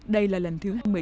đây là lần thứ một mươi chín